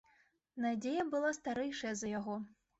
Надзея была старэйшая за яго.